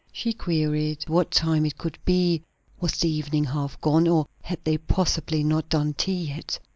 She queried what time it could be; was the evening half gone? or had they possibly not done tea yet?